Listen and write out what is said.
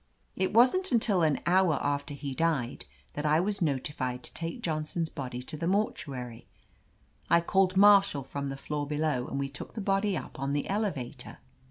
It wasn't until an hour after he died that I was notified to take John son's body to the mortuary. I called Marshall from the floor below, and we took the body up on the elevator.